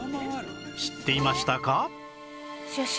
知っていましたか？